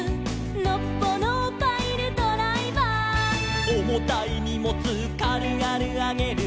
「のっぽのパイルドライバー」「おもたいにもつかるがるあげる」